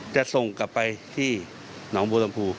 จะส่งกลับไปที่หนองบูรณ์ภูรณ์